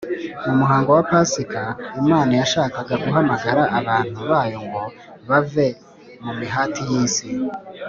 Mu muhango wa Pasika, Imana yashakaga guhamagara abantu bayo ngo bave mu mihati y’isi,